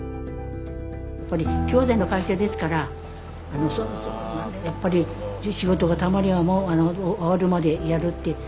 やっぱり兄弟の会社ですからやっぱり仕事がたまればもう終わるまでやるって。